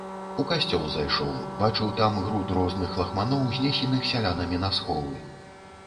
У касцёл зайшоў, бачыў там груд розных лахманоў, знесеных сялянамі на сховы.